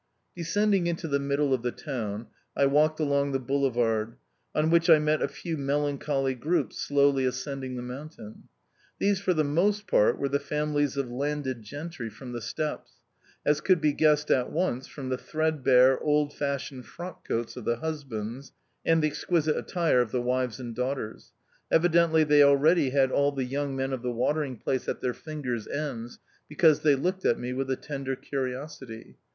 Descending into the middle of the town, I walked along the boulevard, on which I met a few melancholy groups slowly ascending the mountain. These, for the most part, were the families of landed gentry from the steppes as could be guessed at once from the threadbare, old fashioned frock coats of the husbands and the exquisite attire of the wives and daughters. Evidently they already had all the young men of the watering place at their fingers' ends, because they looked at me with a tender curiosity.